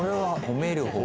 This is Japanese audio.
褒める方。